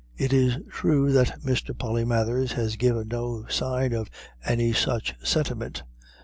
It is true that Mr. Polymathers had given no sign of any such sentiment.